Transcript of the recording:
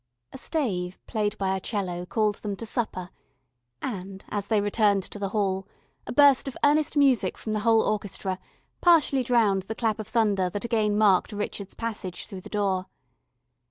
A stave played by a 'cello called them to supper, and, as they returned to the hall, a burst of earnest music from the whole orchestra partially drowned the clap of thunder that again marked Richard's passage through the door.